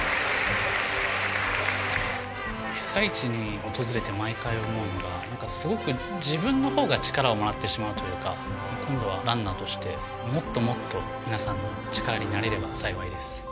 被災地に訪れて毎回思うのが、なんかすごく自分のほうが力をもらってしまうというか、今度はランナーとして、もっともっと皆さんの力になれれば幸いです。